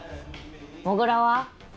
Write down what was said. もぐらは？